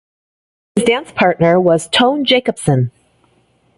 His dance partner was Tone Jacobsen.